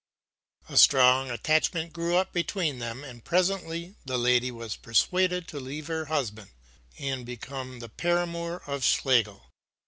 A strong attachment grew up between them, and presently the lady was persuaded to leave her husband and become the paramour of Schlegel.